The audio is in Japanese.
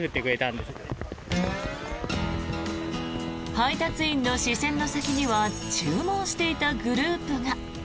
配達員の視線の先には注文していたグループが。